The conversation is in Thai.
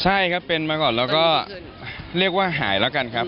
ใช่ครับเป็นมาก่อนแล้วก็เรียกว่าหายแล้วกันครับ